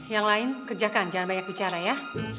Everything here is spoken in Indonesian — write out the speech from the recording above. yang lain kerjakan jangan banyak bicara ya